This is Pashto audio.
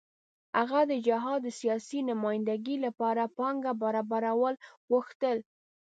هغه د جهاد د سیاسي نمايندګۍ لپاره پانګه برابرول غوښتل.